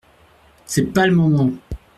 C’est pas le moment !